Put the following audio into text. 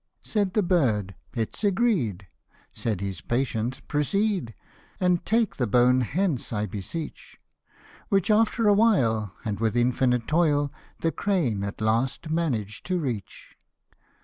Said the bird, " It's agreed ;" said his patient, " Proceed, And take the bone hence, I beseech ;" Which, after a while, and with infinite toil, The crane at last managed to reach.